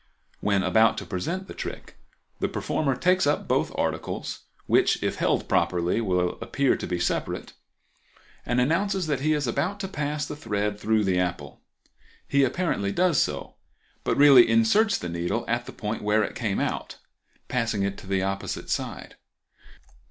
When about to present the trick the performer takes up both articles, which if held properly will appear to be separate, and announces that he is about to pass the thread through the apple. He apparently does so, but really inserts the needle at the point where it came out, passing it to the opposite side.